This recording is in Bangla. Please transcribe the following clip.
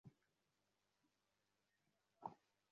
সর্বজয়া এবার লইয়া মোটে দুইবার রেলে চড়িল।